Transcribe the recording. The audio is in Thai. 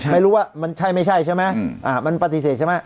ไม่รู้ว่ามันใช่ไม่ใช่ใช่ไหมมันปฏิเสธใช่ไหม